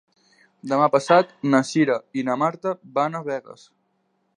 Demà passat na Cira i na Marta van a Begues.